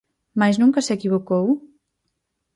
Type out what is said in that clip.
Mais nunca se equivocou?